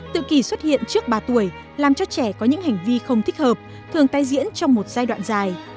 trẻ xuất hiện trước ba tuổi làm cho trẻ có những hành vi không thích hợp thường tay diễn trong một giai đoạn dài